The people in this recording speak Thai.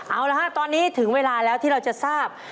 เอาละฮะตอนนี้ถึงเวลาแล้วที่เราจะทราบ